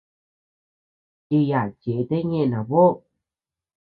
Chiyaʼa chete ñeʼë naboʼo.